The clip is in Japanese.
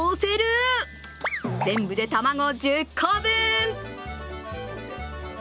全部で卵１０個分！